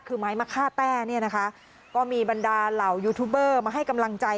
คือไม้มะค่าแต้เนี่ยนะคะก็มีบรรดาเหล่ายูทูบเบอร์มาให้กำลังใจ